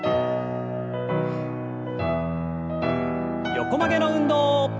横曲げの運動。